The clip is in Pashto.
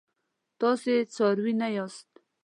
تاسي څاروي نه یاست.